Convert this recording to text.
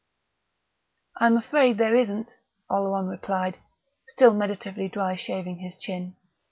"I'm afraid there isn't," Oleron replied, still meditatively dry shaving his chin.